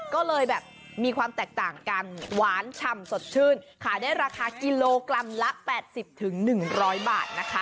ก็เลยแบบมีความแตกต่างกันหวานฉ่ำสดชื่นขายได้ราคากิโลกรัมละ๘๐๑๐๐บาทนะคะ